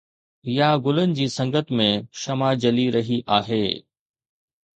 يا گلن جي سنگت ۾ شمع جلي رهي آهي؟